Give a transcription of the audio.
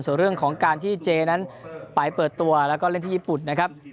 ส่วนเรื่องของการที่เจนั้นไปเปิดตัวแล้วก็เล่นที่ญี่ปุ่นนะครับ